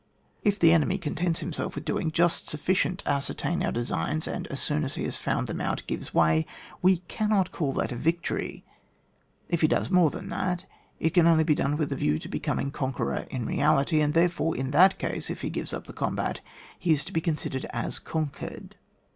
19. If the enemy contents himself with doing just sufficient to ascertcdn our de signs, and as soon as he has found them out, gives way, we cannot caXL that a vic tory ; if he does more than that, it can only be done with a view to becoming conquerer in reality, and, therefore, in that case, if he gives up the combat, he is to be considered as conquered.